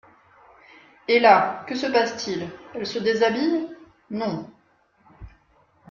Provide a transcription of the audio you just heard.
Et là, que se passe-t-il ? Elle se déshabille ? Non.